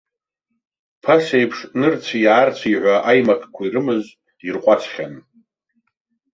Ԥасеиԥш нырцәи аарцәи ҳәа аимакқәа ирымаз ирҟәаҵхьан.